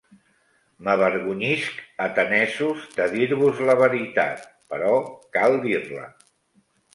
M'avergonyisc, atenesos, de dir-vos la veritat, però cal dir-la.